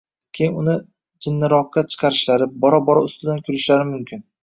keyin uni jinniroqqa chiqarishlari, bora-bora ustidan kulishlari mumkin.